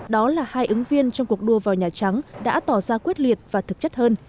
đó là hai ứng viên trong cuộc đua vào nhà trắng đã tỏ ra quyết liệt và thực chất hơn